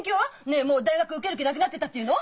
ねえもう大学受ける気なくなってたっていうの？